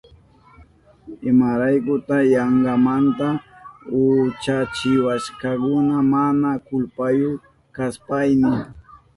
¿Imaraykuta yankamanta uchachiwashkakuna mana kulpayu kashpayni?